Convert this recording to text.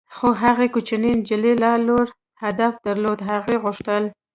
خو هغې کوچنۍ نجلۍ لا لوړ هدف درلود - هغې غوښتل.